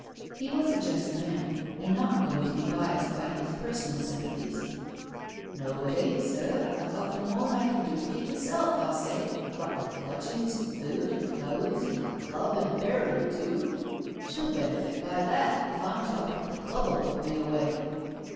He was a just man, and not going to be biassed by his personal sympathies. H 98 NO SURRENDER Ho, it ain't, sir, I've got no more 'an I can do to keep myself, I say, what with lodgings and food an' does an' my club and burial too. She'll benefit by that, if I'm tuk, the club'uU put me away.